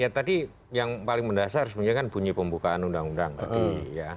ya tadi yang paling mendasar sebenarnya kan bunyi pembukaan undang undang tadi ya